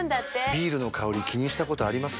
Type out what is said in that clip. ビールの香り気にしたことあります？